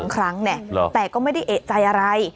๒ครั้งแต่ก็ไม่ได้เอกใจอะไร